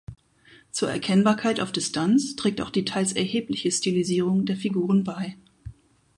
Zur Erkennbarkeit auf Distanz trägt auch die teils erhebliche Stilisierung der Figuren bei.